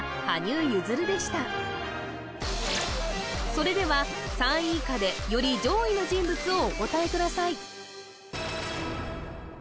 それでは３位以下でより上位の人物をお答えください